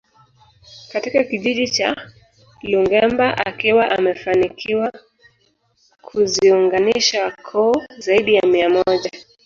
Katika kijiji cha Lungemba akiwa amefanikiwa kuziunganisha koo zaidi ya mia moja